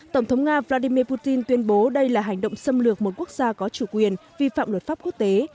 tổng thống nga vladimir putin tuyên bố đây là hành động xâm lược một quốc gia có chủ quyền vi phạm luật pháp quốc tế